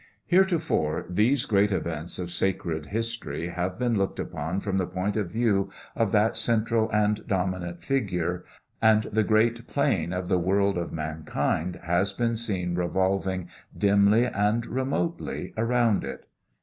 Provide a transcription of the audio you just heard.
Heretofore these great events of sacred history have been looked upon from the point of view of that central and dominant Figure, and the great plain of the world of mankind has been seen revolving dimly and remotely around it.